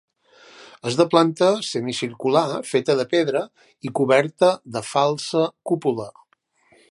És de planta semicircular feta de pedra i coberta de falsa cúpula.